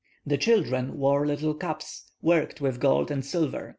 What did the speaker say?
The children wore little caps, worked with gold and silver.